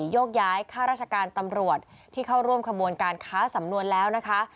ยกย้ายค่าราชการตำรวจที่เข้าร่วมขบวนการค้าสำนวนแล้วนะคะ